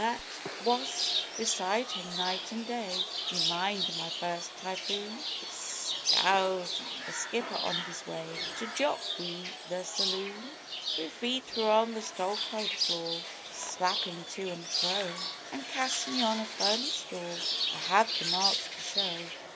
That wast beside him night an' day. Ye mind my first typhoon? It scoughed the skipper on his way to jock wi' the saloon. Three feet were on the stokehold floor just slappin' to an' fro An' cast me on a furnace door. I have the marks to show.